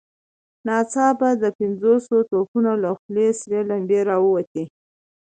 ناڅاپه د پنځوسو توپونو له خولو سرې لمبې را ووتې.